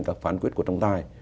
các phán quyết của trong tai